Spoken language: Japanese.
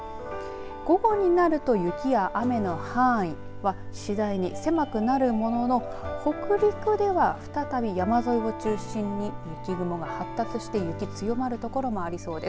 午後になると雪や雨の範囲は次第に狭くなるものの北陸では、再び山沿いを中心に雪雲が発達して雪、強まる所もありそうです。